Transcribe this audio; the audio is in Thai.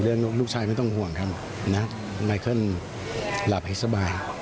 เรื่องลูกชายไม่ต้องห่วงครับ